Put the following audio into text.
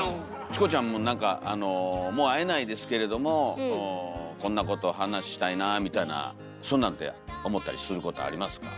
チコちゃんもなんかもう会えないですけれどもこんなこと話したいなぁみたいなそんなんって思ったりすることありますか？